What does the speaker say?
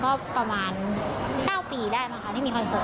ตอนนี้ก็ประมาณ๙ปีได้แม่คะที่มีโค้นเสิร์ต